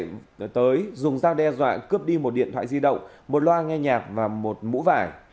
đã tới dùng dao đe dọa cướp đi một điện thoại di động một loa nghe nhạc và một mũ vải